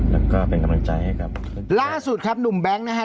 แล้วก็เป็นกำลังใจให้ครับล่าสุดครับหนุ่มแบงค์นะฮะ